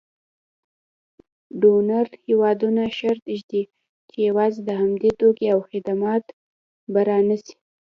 ډونر هېوادونه شرط ږدي چې یوازې د همدوی توکي او خدمات به رانیسي.